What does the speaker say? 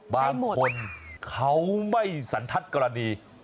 บางคนเขาไม่สันทัศน์กรณี